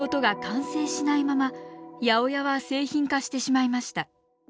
８０８は製品化してしまいました。